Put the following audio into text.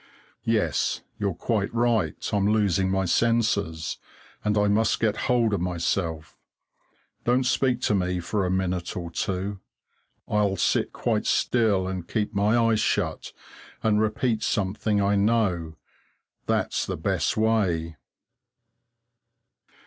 Yes, you're quite right. I'm losing my senses, and I must get hold of myself. Don't speak to me for a minute or two; I'll sit quite still and keep my eyes shut and repeat something I know. That's the best way.